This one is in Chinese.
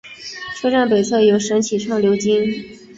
车站北侧有神崎川流经。